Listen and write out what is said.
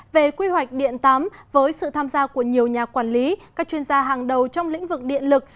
về quy hoạch điện tám với sự tham gia của nhiều nhà quản lý các chuyên gia hàng đầu trong lĩnh vực điện lực